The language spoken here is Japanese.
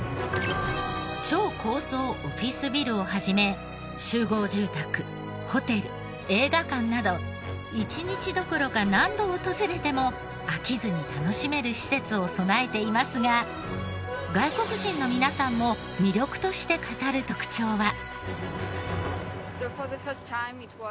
超高層オフィスビルを始め集合住宅ホテル映画館など一日どころか何度訪れても飽きずに楽しめる施設を備えていますが外国人の皆さんも魅力として語る特徴は。